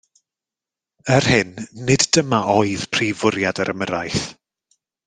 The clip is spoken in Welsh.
Er hyn, nid dyma oedd prif fwriad yr ymyrraeth